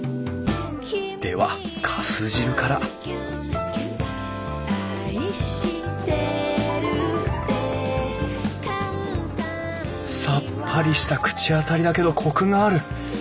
ではかす汁からさっぱりした口当たりだけどコクがある。